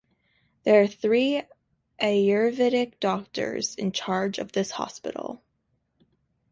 There are three Ayurvedic doctors in charge of this hospital.